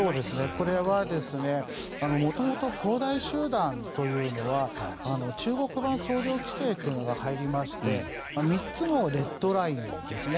これは元々、恒大集団というのは中国版総量規制というのが入りまして３つのレッドラインですね